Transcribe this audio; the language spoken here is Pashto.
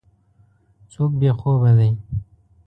څوک بې خوبه دی.